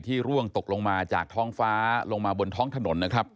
ร่วงตกลงมาจากท้องฟ้าลงมาบนท้องถนนนะครับ